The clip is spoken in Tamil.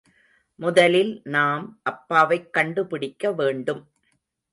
முதலில் நாம் அப்பாவைக் கண்டுபிடிக்க வேண்டும்.